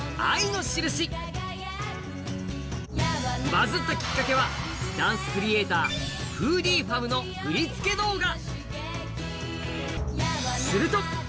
バズったきっかけはダンスクリエーター、フーディー・ファムの振り付け動画。